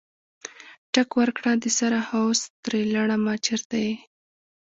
ټک ورکړه دسره هوس تیره لړمه چرته یې؟